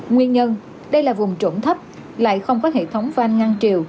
nguyên nhân đây là vùng trổng thấp lại không có hệ thống van ngang triều